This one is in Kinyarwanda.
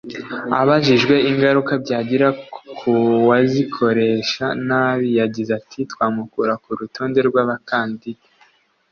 Abajijwe ingaruka byagira ku wazikoresha nabi yagize ati “ Twamukura ku rutonde rw’abakandida